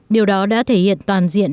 điều đó đã thể hiện toàn diện